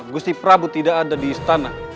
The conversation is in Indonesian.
gusti prabu tidak ada di istana